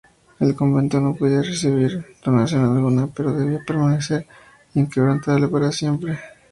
El convento no podía recibir donación alguna, pero debía permanecer inquebrantable para siempre.